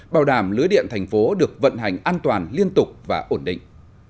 bảo đảm lưới điện tp hcm được vận hành an toàn liên tục và ổn định